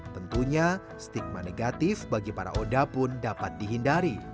tentunya stigma negatif bagi para oda pun dapat dihindari